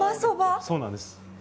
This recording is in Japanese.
そうなんです。